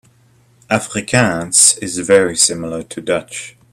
Afrikaans is very similar to Dutch.